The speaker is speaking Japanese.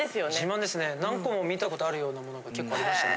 何個も見たことあるようなものが結構ありましたね。